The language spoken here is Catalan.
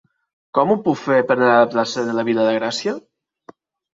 Com ho puc fer per anar a la plaça de la Vila de Gràcia?